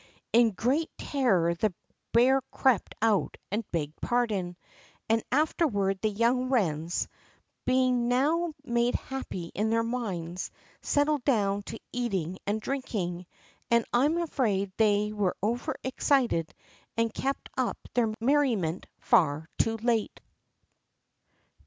In great terror the bear crept out and begged pardon; and afterward the young wrens, being now made happy in their minds, settled down to eating and drinking, and I am afraid they were over excited and kept up their merriment far too late.